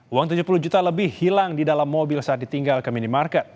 uang tujuh puluh juta lebih hilang di dalam mobil saat ditinggal ke minimarket